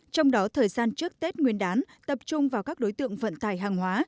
trong đó thời gian trước tết nguyên đán tập trung vào các đối tượng vận tải hàng hóa